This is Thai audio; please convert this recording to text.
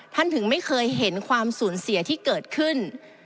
ถึงไม่เคยเห็นความสูญเสียที่เกิดขึ้น